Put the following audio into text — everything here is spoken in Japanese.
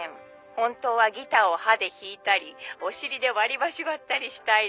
「本当はギターを歯で弾いたりお尻で割りばし割ったりしたいのに」